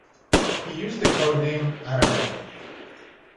He used the code name "Ataman".